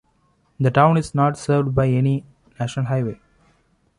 The town is not served by any national highway.